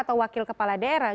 atau wakil kepala daerah